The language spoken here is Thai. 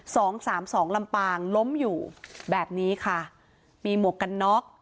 สองสามสองลำปางล้มอยู่แบบนี้ค่ะมีหมวกกันน็อก